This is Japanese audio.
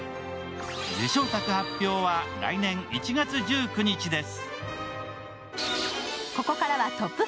受賞作発表は来年１月１９日です。